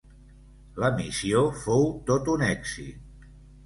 La missió fou tot un èxit.